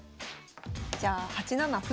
じゃあ８七歩。